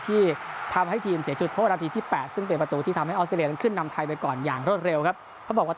ที่ทำให้ทีมเสียจุดโทษนาทีที่๘ซึ่งเป็นประตูที่ทำให้ออสเตรเลียนั้นขึ้นนำไทยไปก่อนอย่างรวดเร็วครับเขาบอกว่า